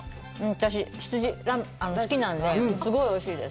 私、羊、ラムが好きなんで、すごいおいしいです。